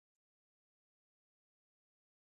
د ډوډۍ وږم د کوڅو په ماښامونو کې